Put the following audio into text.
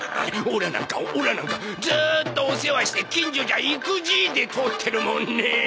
オラなんかオラなんかずーっとお世話して近所じゃ「イクじい」で通ってるもんね！